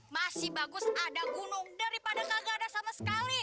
masih bagus ada gunung daripada nggak ada sama sekali